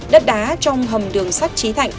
đất đá trong hầm đường sắt trí thạnh